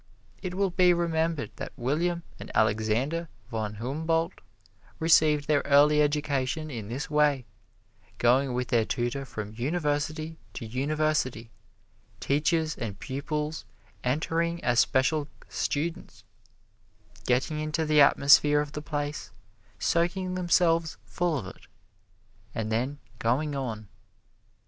It will be remembered that William and Alexander von Humboldt received their early education in this way going with their tutor from university to university, teacher and pupils entering as special students, getting into the atmosphere of the place, soaking themselves full of it, and then going on.